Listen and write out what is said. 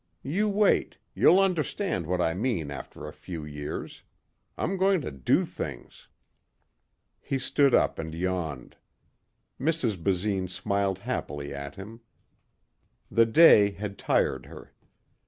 You wait, you'll understand what I mean after a few years. I'm going to do things." He stood up and yawned. Mrs. Basine smiled happily at him. The day had tired her.